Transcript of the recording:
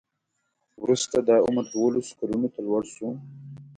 وروسته دا عمر دولسو کلونو ته لوړ شو.